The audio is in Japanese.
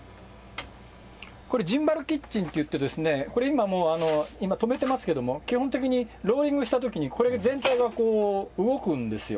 これ、ジンバルキッチンっていって、これ今、もう今、留めていますけれども、基本的にローリングしたときにこれ、全体がこう動くんですよ。